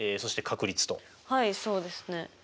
はいそうですね。